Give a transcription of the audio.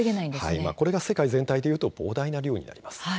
これが世界全体でいうと膨大な量になります。